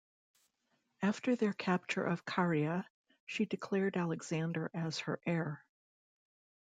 After their capture of Caria, she declared Alexander as her heir.